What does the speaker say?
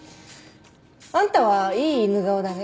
あんたはいい犬顔だね。